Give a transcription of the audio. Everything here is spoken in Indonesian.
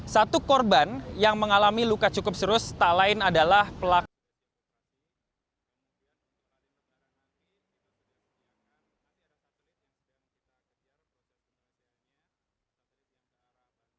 satu korban yang mengalami luka cukup serius tak lain adalah pelaku